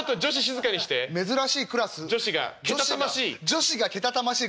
女子がけたたましい。